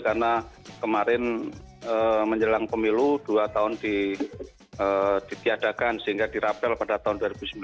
karena kemarin menjelang pemilu dua tahun ditiadakan sehingga dirapel pada tahun dua ribu sembilan belas